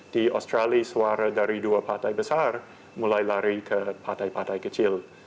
di australia suara dari dua partai besar mulai lari ke partai partai kecil